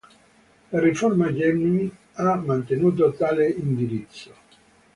La riforma Gelmini ha mantenuto tale indirizzo.